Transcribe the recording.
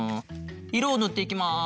いろをぬっていきます。